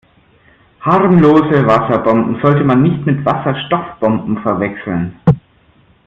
Harmlose Wasserbomben sollte man nicht mit Wasserstoffbomben verwechseln.